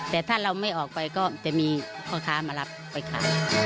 แต่ถ้าเราไม่ออกไปก็จะมีพ่อค้ามารับไปขาย